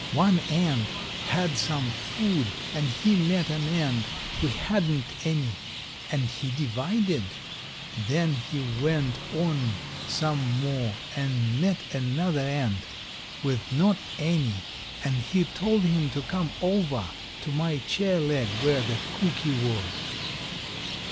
"One ant had some food and he met an ant who hadn't any, and he divided; then he went on some more and met another ant with not any, and he told him to come over to my chair leg where the cookie was."